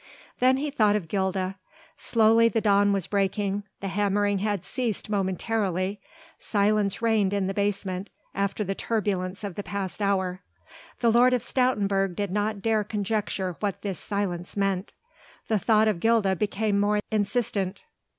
Then he thought of Gilda. Slowly the dawn was breaking, the hammering had ceased momentarily; silence reigned in the basement after the turbulence of the past hour. The Lord of Stoutenburg did not dare conjecture what this silence meant. The thought of Gilda became more insistent.